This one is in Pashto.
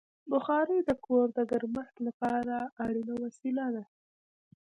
بخاري د کور د ګرمښت لپاره اړینه وسیله ده.